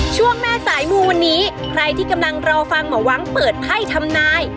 ช่วงแม่สายมูวันนี้ใครที่กำลังรอฟังหมอวังเปิดไพ่ทำนาย